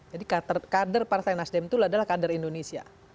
jadi kader partai nasdem itu adalah kader indonesia